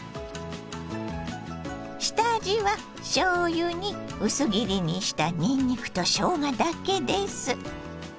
下味はしょうゆに薄切りにしたにんにくとしょうがだけです。